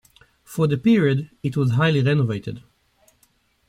For the period it was highly renovated.